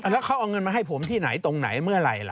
แล้วเขาเอาเงินมาให้ผมที่ไหนตรงไหนเมื่อไหร่ล่ะ